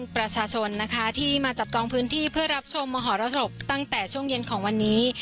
ประชาชนนะคะที่มาจับจองพื้นที่เพื่อรับชมมหรสบตั้งแต่ช่วงเย็นของวันนี้